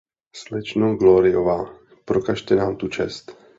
Slečno Gloryová, prokažte nám tu čest.